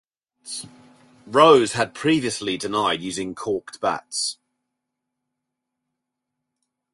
Rose had previously denied using corked bats.